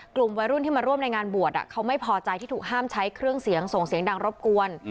กลุ่มวัยรุ่นที่มาร่วมในงานบวชเขาไม่พอใจที่ถูกห้ามใช้เครื่องเสียงส่งเสียงดังรบกวน